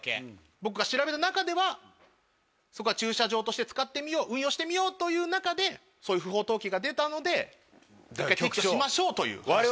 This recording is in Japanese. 僕が調べた中ではそこは駐車場として使ってみよう運用してみようという中でそういう不法投棄が出たので一回撤去しましょうという。